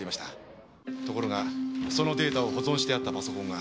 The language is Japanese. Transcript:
ところがそのデータを保存してあったパソコンが。